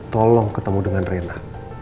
tolong ketemu dengan rena